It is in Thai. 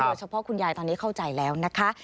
โดยเฉพาะคุณยายตอนนี้เข้าใจแล้วนะคะ